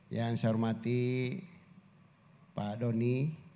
yang saya hormati pak doni